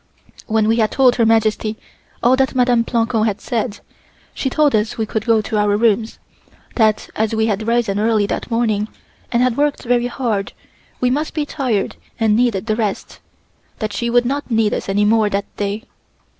When we had told Her Majesty all that Mdme. Plancon had said, she told us we could go to our rooms, that as we had risen early that morning and had worked very hard, we must be tired and needed rest, that she would not need us any more that day.